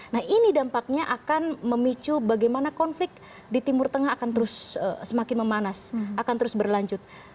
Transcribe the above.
nah ini dampaknya akan memicu bagaimana konflik di timur tengah akan terus semakin memanas akan terus berlanjut